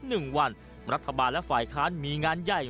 หนึ่งวันรัฐบาลและฝ่ายค้านมีงานใหญ่